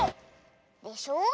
でしょ。